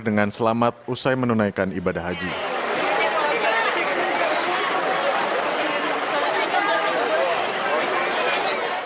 dengan kemampuan untuk menemukan penjemput